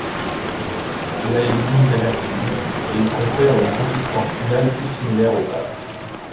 Cela élimine l'amertume, et confère une consistance finale plus similaire aux pâtes.